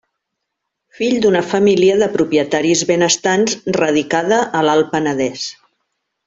Fill d’una família de propietaris benestants radicada a l'Alt Penedès.